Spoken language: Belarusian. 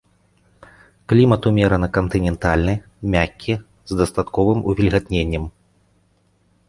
Клімат умерана-кантынентальны, мяккі з дастатковым увільгатненнем.